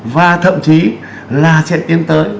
và thậm chí là sẽ tiến tới